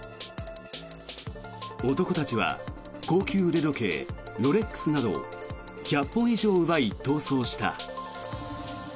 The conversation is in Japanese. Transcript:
男たちは高級腕時計ロレックスなど１００本以上を奪い、逃走した。